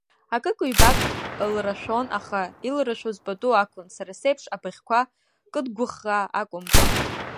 Акык-ҩбак лрашәон, аха илрашәоз пату ақәын, сара сеиԥш абыӷьқәа кыдӷәыхаа акәымкәа.